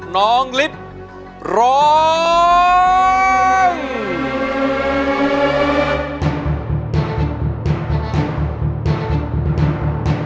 น้องลิฟต์ร้อง